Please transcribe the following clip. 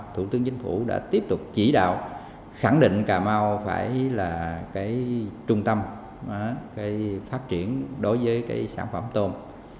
thủ tướng chính phủ đã tiếp tục chỉ đạo khẳng định cà mau phải là trung tâm phát triển đối với sản phẩm tôm